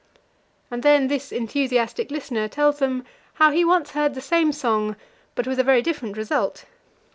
And then this enthusiastic listener tells them how he once heard the same song, but with a very different result.